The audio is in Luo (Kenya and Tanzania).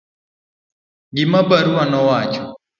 gima barua nowacho